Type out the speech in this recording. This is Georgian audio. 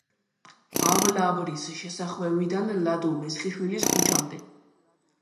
ავლაბრის შესახვევიდან ლადო მესხიშვილის ქუჩამდე.